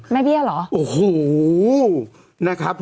ไม่เบี้ยเหรอ